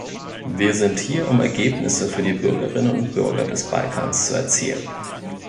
Wir sind hier, um Ergebnisse für die Bürgerinnen und Bürger des Balkans zu erzielen.